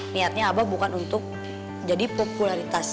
niatnya abah bukan untuk jadi popularitas